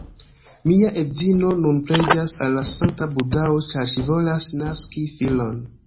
Mia edzino nun preĝas al la sankta Budao ĉar ŝi volas naski filon